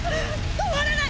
止まらない！